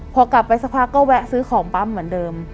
พอกลับไปสักพักก็แวะซื้อของปั๊มเหมือนเดิม